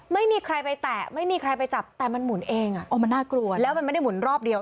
ไม่มีใครไปแตะไม่มีใครไปจับแต่มันหมุนเองอ่ะโอ้มันน่ากลัวแล้วมันไม่ได้หมุนรอบเดียว